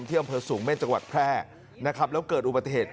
อำเภอสูงเม่นจังหวัดแพร่นะครับแล้วเกิดอุบัติเหตุ